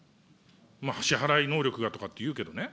支払い能力がとかっていうけどね。